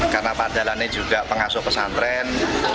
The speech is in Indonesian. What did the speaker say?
karena pak dahlan ini juga pengasuh pesantren